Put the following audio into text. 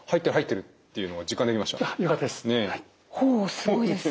すごいです。